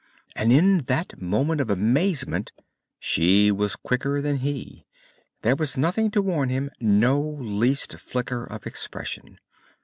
And in that moment of amazement, she was quicker than he. There was nothing to warn him, no least flicker of expression.